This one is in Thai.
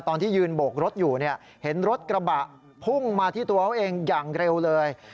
ตอนที่ยืนโบกรถอยู่เนี่ยเห็นรถกระบะพุ่งมาที่ตัวเขาเองอย่างเร็วเลย